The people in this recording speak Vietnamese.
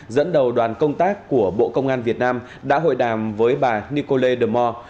dẫn đầu đoàn công tác của bộ công an việt nam đã hội đàm với bà nikole demore